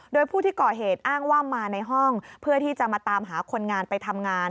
โดยผู้ที่ก่อเหตุอ้างว่ามาในห้องเพื่อที่จะมาตามหาคนงานไปทำงาน